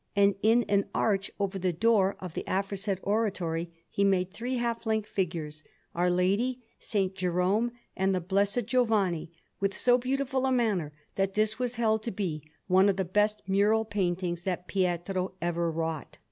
And in an arch over the door of the aforesaid oratory he made three half length figures Our Lady, S. Jerome, and the Blessed Giovanni with so beautiful a manner, that this was held to be one of the best mural paintings that Pietro ever wrought.